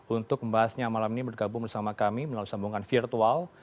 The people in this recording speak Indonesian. untuk membahasnya malam ini bergabung bersama kami melalui sambungan virtual